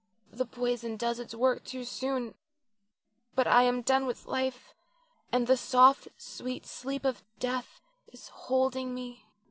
The poison does its work too soon; but I am done with life, and the soft, sweet sleep of death is holding me.